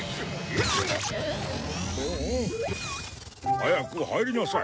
早く入りなさい。